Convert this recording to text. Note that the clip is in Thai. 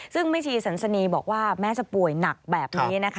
ซึ่งแม่ชีสันสนีบอกว่าแม้จะป่วยหนักแบบนี้นะคะ